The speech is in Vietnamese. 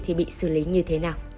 thì bị xử lý như thế nào